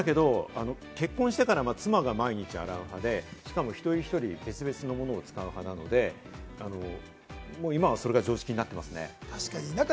だけど、結婚してからは妻が毎日洗うので、しかも一人一人別々のものを使う派なので、今はそれが常識になってますね。